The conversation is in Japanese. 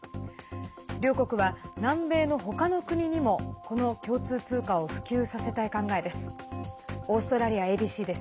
両国は、南米の他の国にもこの共通通貨を普及させたい考えです。